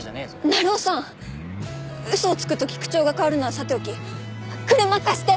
鳴尾さん嘘をつく時口調が変わるのはさておき車貸して！